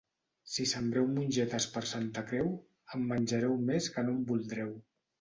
Si sembreu mongetes per Santa Creu en menjareu més que no en voldreu.